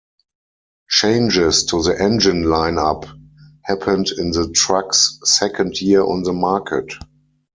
Changes to the engine lineup happened in the truck's second year on the market.